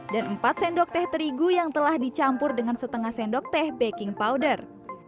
dan empat sendok teh terigu yang telah dicampur dengan setengah sendok teh baking powder